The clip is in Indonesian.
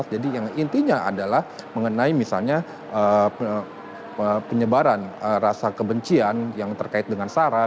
jadi yang intinya adalah mengenai misalnya penyebaran rasa kebencian yang terkait dengan sarah